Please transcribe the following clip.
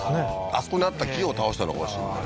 あそこにあった木を倒したのかもしんない